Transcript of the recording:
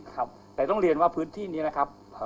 ครับแต่ต้องเรียนว่าพื้นที่นี้นะครับ